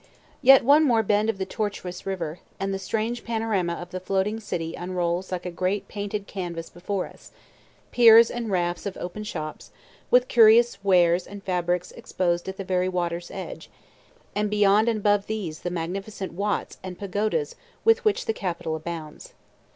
Yet one more bend of the tortuous river, and the strange panorama of the floating city unrolls like a great painted canvas before us, piers and rafts of open shops, with curious wares and fabrics exposed at the very water's edge; and beyond and above these the magnificent "watts" and pagodas with which the capital abounds.